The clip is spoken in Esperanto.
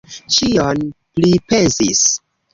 Ĉion pripensis.